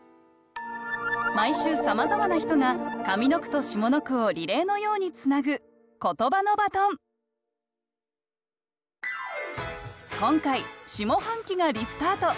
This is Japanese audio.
毎週さまざまな人が上の句と下の句をリレーのようにつなぐ今回下半期がリスタート！